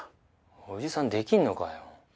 伯父さんできるのかよ？